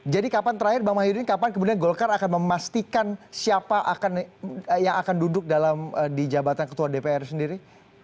kapan terakhir bang mahyudin kapan kemudian golkar akan memastikan siapa yang akan duduk di jabatan ketua dpr sendiri